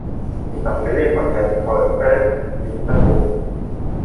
Die Familie von Wendt-Holtfeld blieb katholisch.